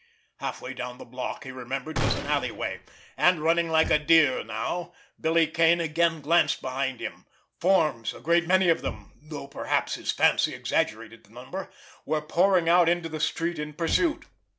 Halfway down the block, he remembered, was an alleyway; and, running like a deer now, Billy Kane again glanced behind him. Forms, a great many of them, though perhaps his fancy exaggerated the number, were pouring out into the street in pursuit.